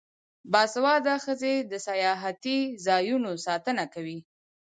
باسواده ښځې د سیاحتي ځایونو ساتنه کوي.